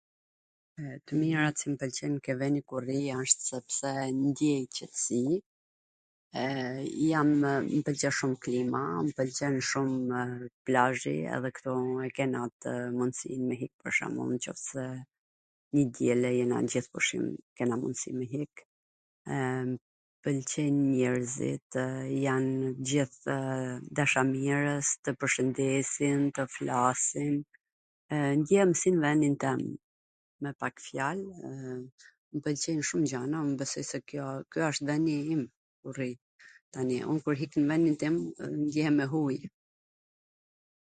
T mirat qw m pwlqejn ke veni ku rri asht sepse ndiej qetsi, jamw, mw pwlqen shum klima, mw pwlqen shumw plazhi, edhe ktu e kena atw mundsin me hik, pwr shwmbulll nwqoftse njw t diele jena t gjith pushim kena mundsi me hik, pwlqej njerzit, janw gjithw dashamirws, tw pwrshwndesin, tw flasin, ndjehem si n venin tem, me pak fjal mw pwlqejn shum gjana, un besoj se ky asht veni im ku rri, tani, un kur hik nw venin tim ndjehem e huj.